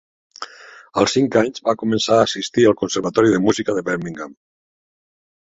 Als cinc anys va començar a assistir al Conservatori de Música de Birmingham.